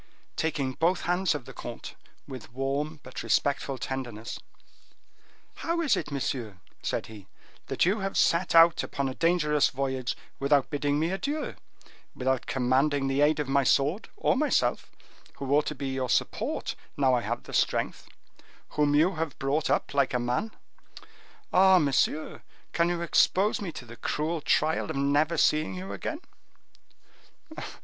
Taking both hands of the comte, with warm, but respectful tenderness,—"How is it, monsieur," said he, "that you have set out upon a dangerous voyage without bidding me adieu, without commanding the aid of my sword, of myself, who ought to be your support, now I have the strength; whom you have brought up like a man? Ah! monsieur, can you expose me to the cruel trial of never seeing you again?"